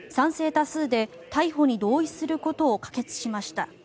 多数で逮捕に同意することを可決しました。